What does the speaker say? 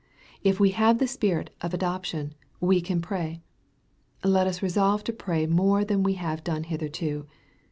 If we have the Spirit of adoption, we can pray. Let us resolve to pray more than we have done hitherto.